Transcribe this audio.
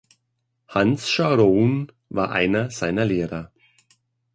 Hans Scharoun war einer seiner Lehrer.